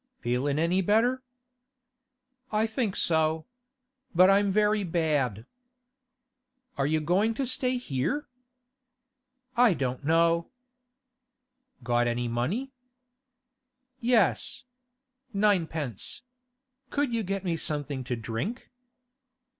'Feelin' any better?' 'I think so. But I'm very bad.' 'Are you goin' to stay here?' 'I don't know.' 'Got any money?' 'Yes. Ninepence. Could you get me something to drink?